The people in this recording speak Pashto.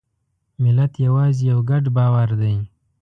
ملت یوازې یو ګډ باور دی.